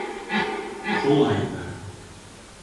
Шулайҙыр.